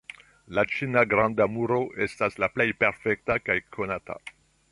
La ĉina Granda Muro estas la plej perfekta kaj konata.